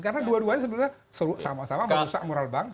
karena dua duanya sebenarnya sama sama manusia moral bangsa